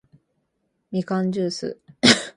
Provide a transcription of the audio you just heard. みかんじゅーす